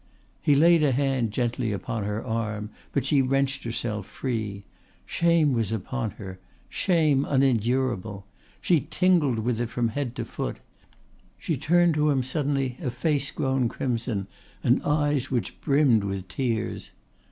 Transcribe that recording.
He laid a hand gently upon her arm, but she wrenched herself free. Shame was upon her shame unendurable. She tingled with it from head to foot. She turned to him suddenly a face grown crimson and eyes which brimmed with tears.